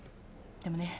でもね